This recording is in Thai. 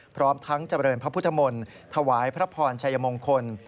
พร้อมทั้งเจริญพระพุทธมนต์ถวายพระพรชัยมงคล